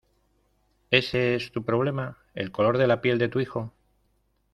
¿ ese es tu problema, el color de la piel de tu hijo?